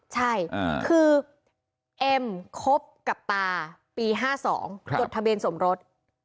ใช่คือเอ็มครบกับตาปีห้าสองครับจดทะเบนสมรส